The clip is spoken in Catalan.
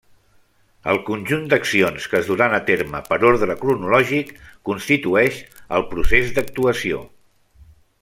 El conjunt d'accions que es duran a terme per ordre cronològic constitueix el procés d'actuació.